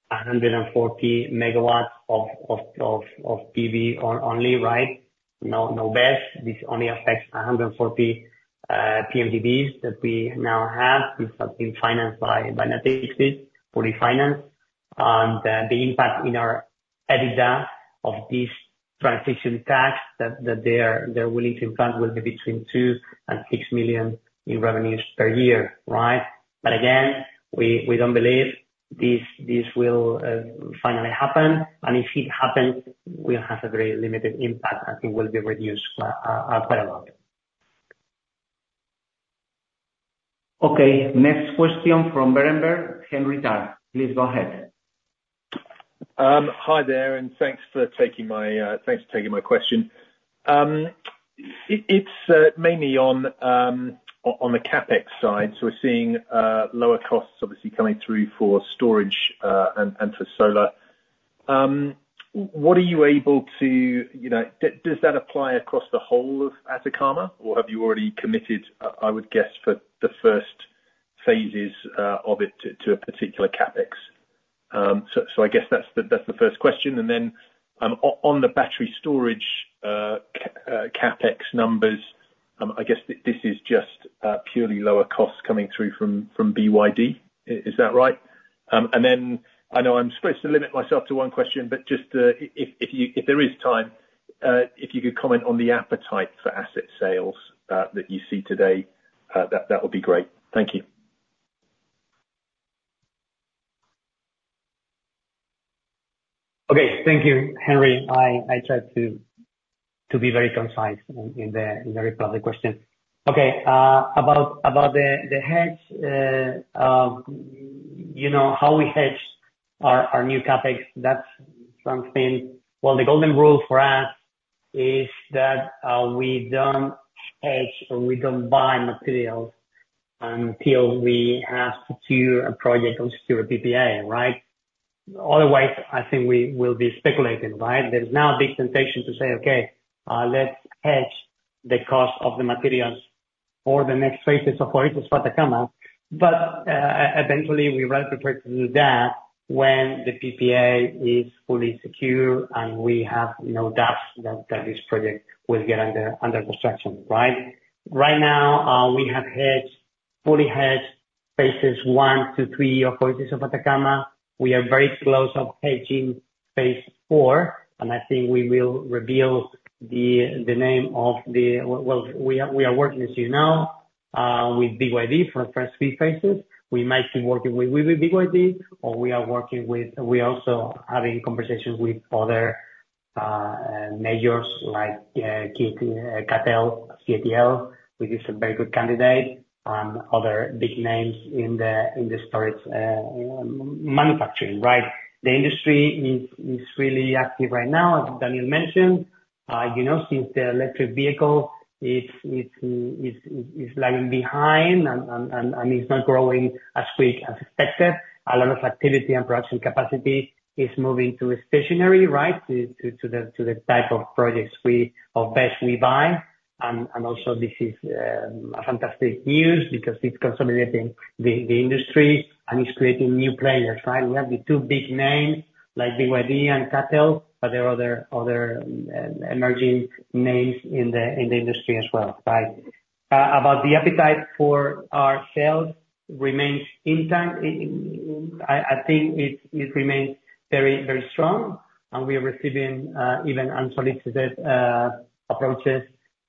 140 MW of PV only, right? No batteries. This only affects 140 PMGDs that we now have. These have been financed by Natixis, fully financed. And the impact in our EBITDA of this transition tax that they are willing to implement will be between 2 million and 6 million in revenues per year, right? But again, we don't believe this will finally happen. And if it happens, we'll have a very limited impact, and it will be reduced quite a lot. Okay, next question from Berenberg, Henry Tarr, please go ahead. Hi there, and thanks for taking my question. It's mainly on the CapEx side. So we're seeing lower costs obviously coming through for storage and for solar. What are you able to? You know, does that apply across the whole of Atacama, or have you already committed, I would guess, for the first phases of it to a particular CapEx? I guess that's the first question. And then on the battery storage CapEx numbers, I guess this is just purely lower costs coming through from BYD. Is that right? And then I know I'm supposed to limit myself to one question, but just, if you, if there is time, if you could comment on the appetite for asset sales, that you see today, that would be great. Thank you. Okay. Thank you, Henry. I tried to be very concise in the reply of the question. Okay, about the hedge, you know, how we hedge our new CapEx, that's something. The golden rule for us is that we don't hedge, or we don't buy materials, until we have secured a project or secured a PPA, right? Otherwise, I think we will be speculating, right? There's now a big temptation to say, "Okay, let's hedge the cost of the materials for the next phases of Oasis de Atacama." But eventually, we rather prefer to do that when the PPA is fully secure, and we have no doubts that this project will get under construction, right? Right now, we have hedged, fully hedged phases one to three of Oasis de Atacama. We are very close to hedging Phase 4, and I think we will reveal the name of the. We are working as you know with BYD for first three phases. We might be working with BYD, or we are working with. We're also having conversations with other majors, like CATL, C-A-T-L, which is a very good candidate, and other big names in the storage manufacturing, right? The industry is really active right now, as Daniel mentioned. You know, since the electric vehicle is lagging behind and is not growing as quick as expected, a lot of activity and production capacity is moving to stationary, right? To the type of projects we or BESS we buy. Also this is a fantastic news, because it's consolidating the industry, and it's creating new players, right? We have the two big names like BYD and CATL, but there are other emerging names in the industry as well, right? About the appetite for our sales remains intact. I think it remains very, very strong, and we are receiving even unsolicited approaches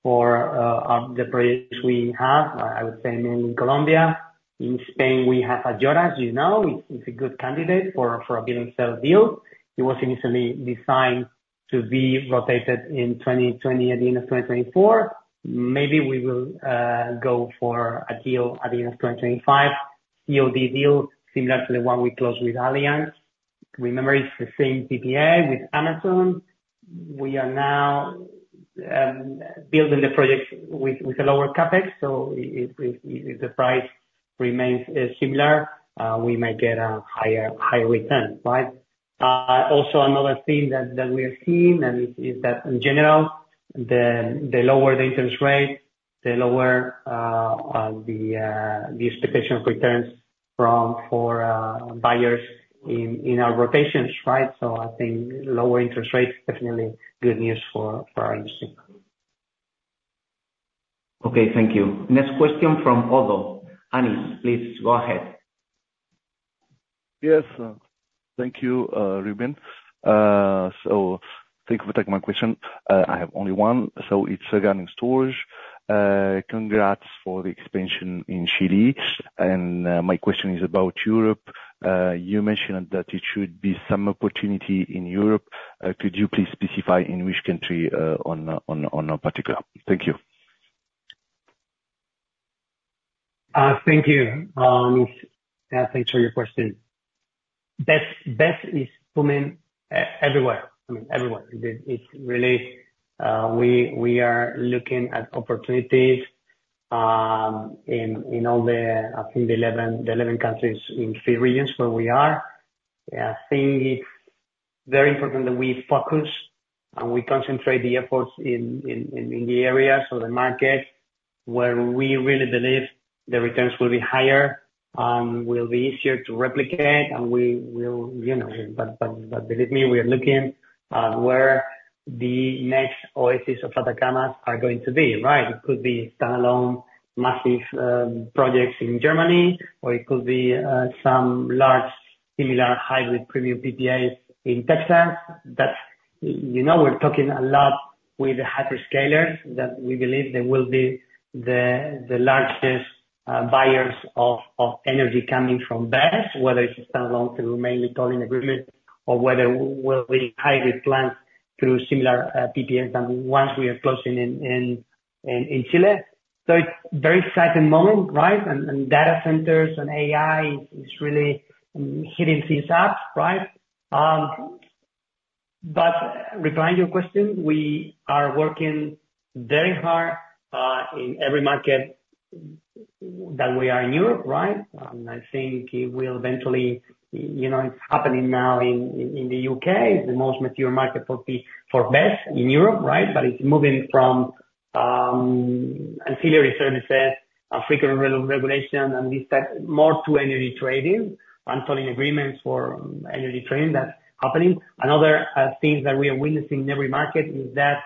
for the projects we have. I would say mainly in Colombia. In Spain, we have Ayora, as you know. It's a good candidate for a build and sell deal. It was initially designed to be rotated in 2020, at the end of 2024. Maybe we will go for a deal at the end of 2025. COD deal, similar to the one we closed with Allianz. Remember, it's the same PPA with Amazon. We are now building the project with a lower CapEx, so if the price remains similar, we might get a higher return, right? Also another thing that we are seeing, and is that in general, the lower the interest rate, the lower the expectation of returns from buyers in our rotations, right? So I think lower interest rates, definitely good news for our industry. Okay, thank you. Next question from Oddo BHF, Anis, please go ahead. Yes, thank you, Rubén. So thank you for taking my question. I have only one, so it's regarding storage. Congrats for the expansion in Chile. My question is about Europe. You mentioned that it should be some opportunity in Europe. Could you please specify in which country, on a particular? Thank you. Thank you, thanks for your question. BESS is booming everywhere, I mean, everywhere. It's really, we are looking at opportunities in all the 11 countries in three regions where we are. I think it's very important that we focus and we concentrate the efforts in the areas or the market where we really believe the returns will be higher, will be easier to replicate, and we will, you know, but believe me, we are looking at where the next Oasis of Atacama are going to be, right? It could be standalone massive projects in Germany, or it could be some large similar hybrid premium PPAs in Texas, that, you know, we're talking a lot with the hyperscalers, that we believe they will be the largest buyers of energy coming from BESS, whether it's standalone through mainly collar agreement or whether with hybrid plants through similar PPAs, and ones we are closing in Chile. So it's very exciting moment, right? And data centers and AI is really heating things up, right? But replying to your question, we are working very hard in every market that we are in, in Europe, right? I think it will eventually, you know, it's happening now in the U.K., it's the most mature market for BESS in Europe, right? But it's moving from ancillary services and frequency regulation, and we expect more to energy trading, tolling agreements for energy trading, that's happening. Another things that we are witnessing in every market, is that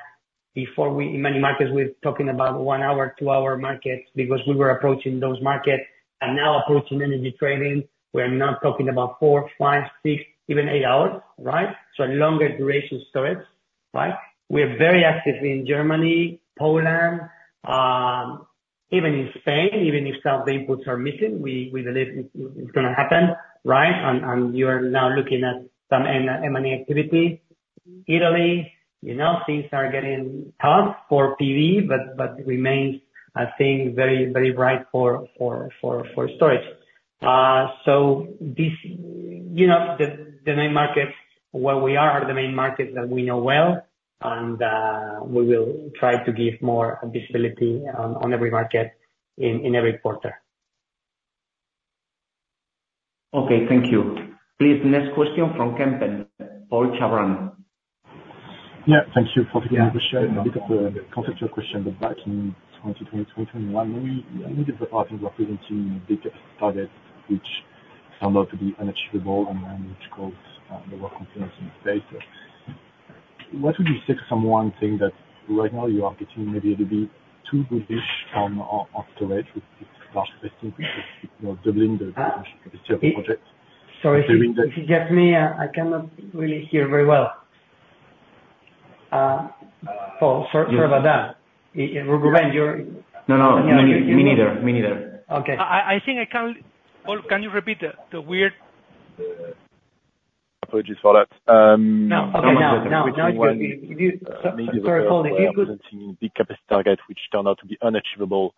before, in many markets, we're talking about one-hour, two-hour markets, because we were approaching those markets, and now approaching energy trading, we are now talking about four, five, six, even eight hours, right? So longer duration storage, right? We are very active in Germany, Poland, even in Spain, even if some inputs are missing, we believe it's gonna happen, right? And you are now looking at some M&A activity. Italy, you know, things are getting tough for PV, but remains, I think, very, very bright for storage. So this, you know, the main markets where we are are the main markets that we know well, and we will try to give more visibility on every market in every quarter. Okay, thank you. Please, next question from Kempen, Paul Chaveron. Yeah, thank you. A bit of a conceptual question, but back in 2020, 2021, many, many of the partners were presenting big targets, which turned out to be unachievable, and then which caused lower confidence in space. What would you say to someone saying that right now you are getting maybe a little bit too bullish on on storage, with large, you know, doubling the- Sorry, if you get me, I cannot really hear very well. Paul, sorry about that. Rubén, you're- No, no, me neither. Me neither. Okay. I think I can, Paul, can you repeat the weird- Apologies for that. No. Okay, now it's good. If you- sorry, Paul, if you could- Big capacity target, which turned out to be unachievable,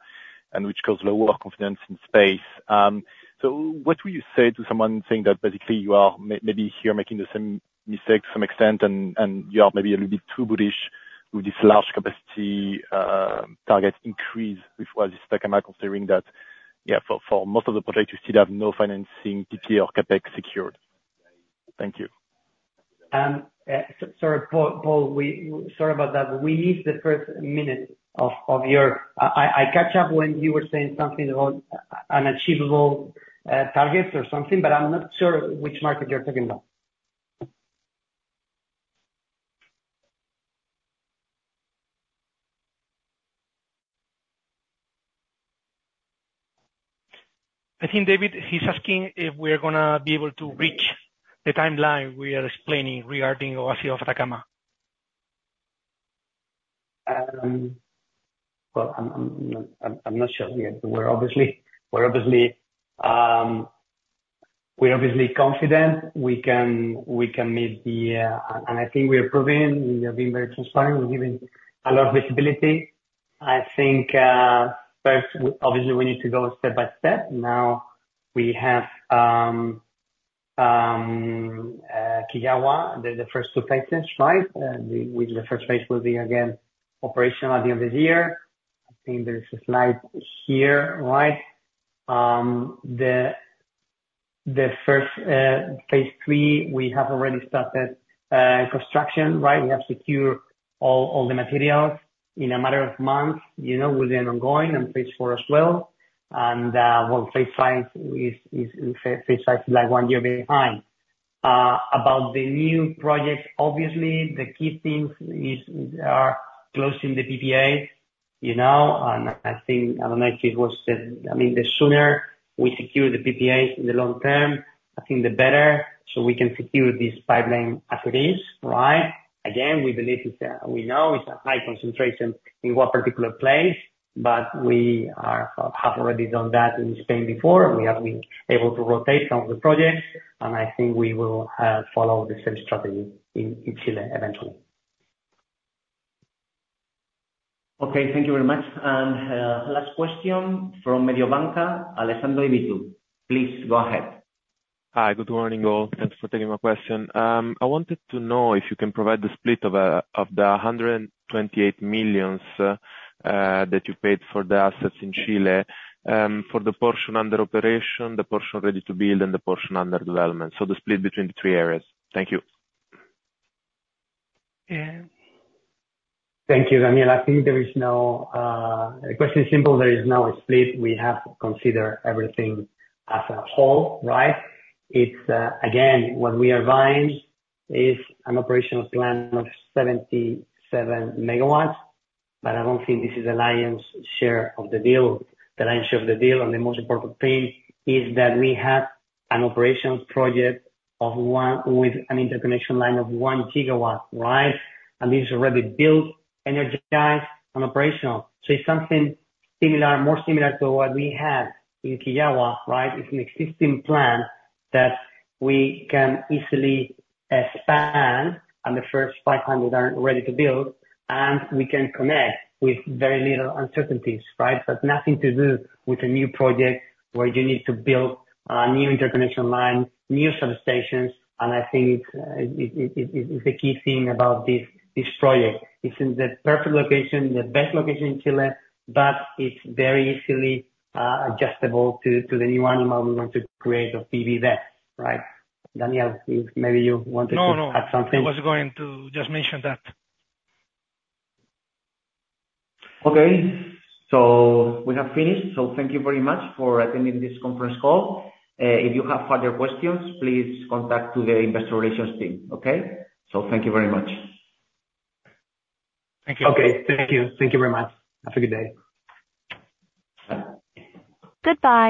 and which caused lower confidence in space. So what would you say to someone saying that basically, you are maybe here making the same mistakes to some extent, and you are maybe a little bit too bullish with this large capacity target increase, which considering that for most of the projects, you still have no financing PPA or CapEx secured. Thank you. Sorry, Paul. Sorry about that. We missed the first minute of your... I catch up when you were saying something about unachievable targets or something, but I'm not sure which market you're talking about. I think, David, he's asking if we're gonna be able to reach the timeline we are explaining regarding Oasis de Atacama. Well, I'm not sure yet. We're obviously confident we can meet the. And I think we are proving, we have been very transparent, we're giving a lot of visibility. I think first, obviously we need to go step by step. Now, we have Quillagua, the first two phases, right? Which the first phase will be again operational at the end of the year. I think there's a slide here, right? The first Phase 3, we have already started construction, right? We have secured all the materials. In a matter of months, you know, we'll be ongoing, and Phase 4 as well. Phase 5 is like one year behind. About the new project, obviously, the key things is, are closing the PPA, you know, and I, I think, I don't know if it was the, I mean, the sooner we secure the PPAs in the long term, I think the better, so we can secure this pipeline as it is, right? Again, we believe it's, we know it's a high concentration in one particular place, but we have already done that in Spain before, and we have been able to rotate some of the projects, and I think we will follow the same strategy in Chile eventually. Okay, thank you very much. And last question from Mediobanca, Alessandro Pozzi. Please go ahead. Hi. Good morning, all. Thanks for taking my question. I wanted to know if you can provide the split of 128 million that you paid for the assets in Chile, for the portion under operation, the portion ready to build, and the portion under development, so the split between the three areas? Thank you. Yeah. Thank you, Daniel. I think there is no, the question is simple, there is no split. We have to consider everything as a whole, right? It's, again, what we are buying is an operational plant of 77 MW, but I don't think this is the lion's share of the deal. The lion's share of the deal, and the most important thing, is that we have an operational project of one with an interconnection line of one GW, right? And this is already built, energized, and operational. So it's something similar, more similar to what we had in Quillagua, right? It's an existing plant that we can easily expand, and the first 500 are ready to build, and we can connect with very little uncertainties, right? But nothing to do with a new project, where you need to build new interconnection line, new substations, and I think it is a key thing about this project. It's in the perfect location, the best location in Chile, but it's very easily adjustable to the new model we want to create of PV there, right? Daniel, maybe you wanted to add something. No, no, I was going to just mention that. Okay, so we have finished. So thank you very much for attending this conference call. If you have further questions, please contact to the investor relations team, okay? So thank you very much. Thank you. Okay, thank you. Thank you very much. Have a good day.